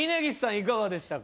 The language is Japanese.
いかがでしたか？